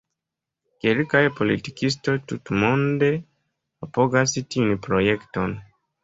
Kelkaj politikistoj tutmonde apogas tiun projekton.